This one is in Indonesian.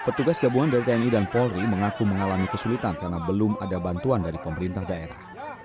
petugas gabungan dari tni dan polri mengaku mengalami kesulitan karena belum ada bantuan dari pemerintah daerah